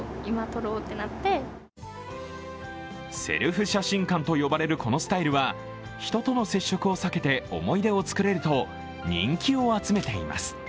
セルフ写真館と呼ばれるこのスタイルは人との接触を避けて思い出を作れると人気を集めています。